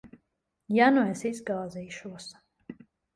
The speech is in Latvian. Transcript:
Ja nu es izgāzīšos?